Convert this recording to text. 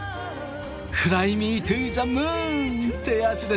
「フライ・ミー・トゥ・ザ・ムーン」ってやつですね。